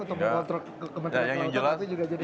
untuk mengontrol kementerian kelautan waktu itu juga jadi